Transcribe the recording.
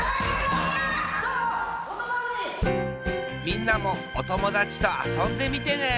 みんなもおともだちとあそんでみてね！